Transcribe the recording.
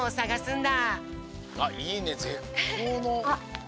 あっいいねぜっこうの。